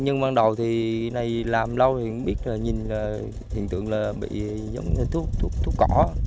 nhưng ban đầu thì này làm lâu thì cũng biết là nhìn hiện tượng là bị giống như thuốc thuốc cỏ